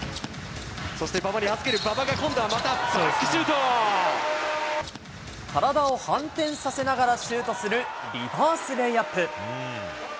そして、馬場に預ける、馬場が今体を反転させながらシュートする、リバースレイアップ。